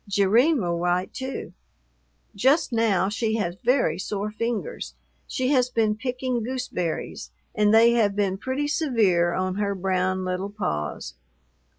Jerrine will write too. Just now she has very sore fingers. She has been picking gooseberries, and they have been pretty severe on her brown little paws.